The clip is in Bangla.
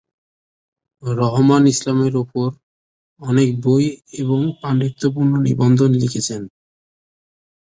রহমান ইসলামের উপর অনেক বই এবং পাণ্ডিত্যপূর্ণ নিবন্ধ লিখেছেন।